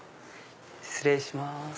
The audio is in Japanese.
失礼します。